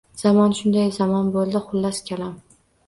Zamon shunday zamon boʼldi, xullas kalom